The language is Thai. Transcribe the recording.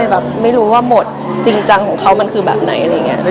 ไม่รู้ว่าโหมดจริงจังของเขามันคือแบบไหน